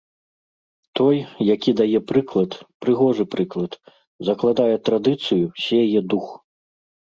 Той, які дае прыклад, прыгожы прыклад, закладае традыцыю, сее дух.